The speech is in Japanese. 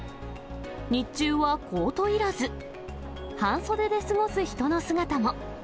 日中はコートいらず、半袖で過ごす人の姿も。